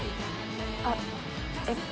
あっえっ